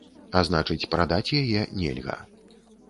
А значыць, прадаць яе нельга.